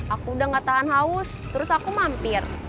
aku udah gak tahan haus terus aku mampir